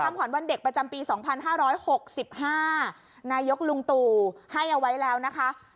ขวัญวันเด็กประจำปี๒๕๖๕นายกลุงตู่ให้เอาไว้แล้วนะคะ